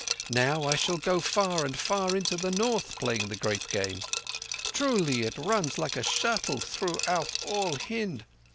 Now I shall go far and far into the North playing the Great Game. Truly, it runs like a shuttle throughout all Hind.